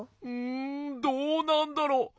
んどうなんだろう。